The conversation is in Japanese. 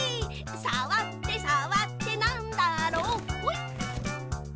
「さわってさわってなんだろう」ほい！